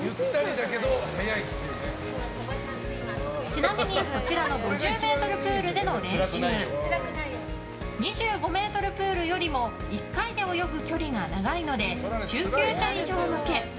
ちなみにこちらの５０ｍプールでの練習２５ｍプールよりも１回で泳ぐ距離が長いので中級者以上向け。